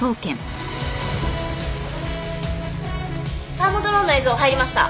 サーモドローンの映像入りました。